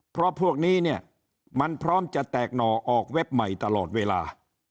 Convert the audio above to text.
เพราะพวกนี้เนี่ยมันพร้อมจะแตกหน่อออกเว็บใหม่ตลอดเวลา